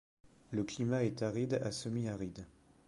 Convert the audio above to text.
Le climat est aride à semi-aride.